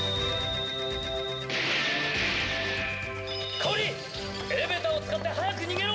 香エレベーターを使って早く逃げろ！